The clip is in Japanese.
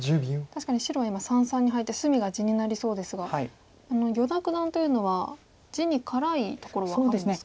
確かに白は今三々に入って隅が地になりそうですが依田九段というのは地に辛いところはあるんですか？